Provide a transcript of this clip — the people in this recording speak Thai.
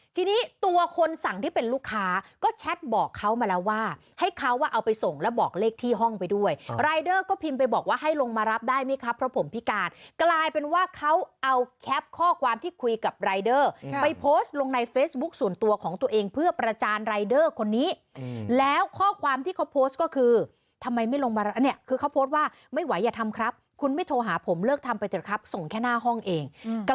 ที่นี้ตัวคนสั่งที่เป็นลูกค้าก็แชทบอกเขามาแล้วว่าให้เขาว่าเอาไปส่งแล้วบอกเลขที่ห้องไปด้วยรายเดอร์ก็พิมพ์ไปบอกว่าให้ลงมารับได้ไหมครับเพราะผมพิการกลายเป็นว่าเขาเอาแคปข้อความที่คุยกับรายเดอร์ไปโพสต์ลงในเฟซบุ๊กส่วนตัวของตัวเองเพื่อประจานรายเดอร์คนนี้แล้วข้อความที่เขาโพสต์ก็คือทำไมไม่ลง